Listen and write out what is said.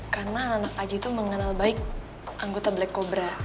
karena anak aj itu mengenal baik anggota black cobra